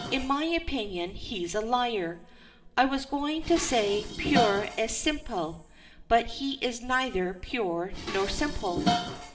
"In my opinion he's a liar; I was going to say 'pur et simple,' but he is neither pure nor simple."